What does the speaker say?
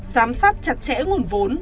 giám sát chặt chẽ nguồn vốn